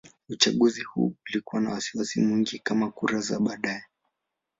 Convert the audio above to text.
Uchaguzi huu ulikuwa na wasiwasi mwingi kama kura za baadaye.